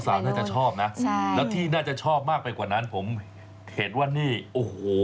น่าจะชอบนะใช่แล้วที่น่าจะชอบมากไปกว่านั้นผมเห็นว่านี่โอ้โห